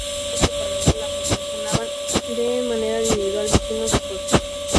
La comida ya preparada la proporcionaban de manera individual vecinos del pueblo.